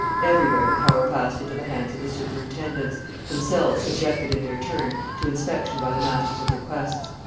Everywhere the power passed into the hands of the superintendents, themselves subjected in their turn to inspection by the masters of requests.